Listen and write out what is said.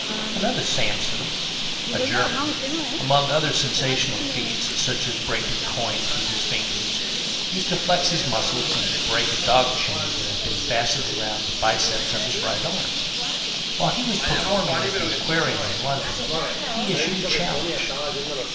Another "Samson," a German, among other sensational feats, such as breaking coins with his fingers, used to flex his muscles and break a dog chain that had been fastened round the biceps of his right arm. While he was performing at the Aquarium, in London, he issued a challenge.